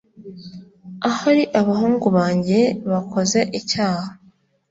Ahari abahungu banjye bakoze icyaha